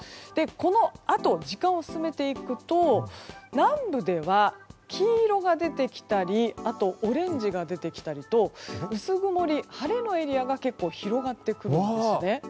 このあと、時間を進めていくと南部では黄色が出てきたりあとオレンジが出てきたりと薄曇り、晴れのエリアが結構広がってくるんです。